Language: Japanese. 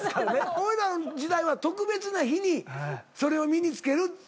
俺らの時代は特別な日にそれを身に着けるっていう。